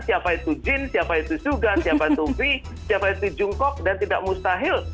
siapa itu jin siapa itu sugan siapa itu v siapa itu jungkok dan tidak mustahil